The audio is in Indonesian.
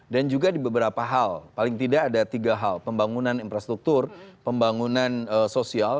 dan juga di beberapa hal paling tidak ada tiga hal pembangunan infrastruktur pembangunan sosial